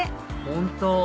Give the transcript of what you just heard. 本当！